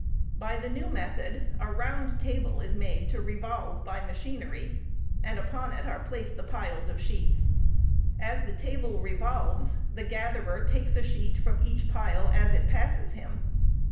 By the new method a round table is made to revolve by machinery, and upon it are placed the piles of sheets. As the table revolves the gatherer takes a sheet from each pile as it passes him.